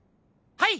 はい。